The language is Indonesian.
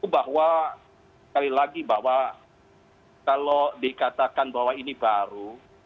bahwa sekali lagi bahwa kalau dikatakan bahwa ini baru